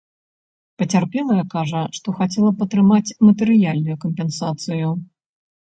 Пацярпелая кажа, што хацела б атрымаць матэрыяльную кампенсацыю.